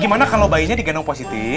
gimana kalau bayinya digendong positif